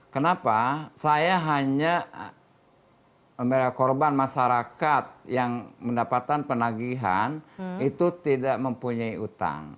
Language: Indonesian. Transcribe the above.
kenapa saya hanya korban masyarakat yang mendapatkan penagihan itu tidak mempunyai utang